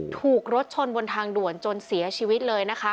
ถูกรถชนบนทางด่วนจนเสียชีวิตเลยนะคะ